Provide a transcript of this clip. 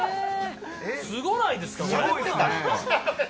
すごないですか？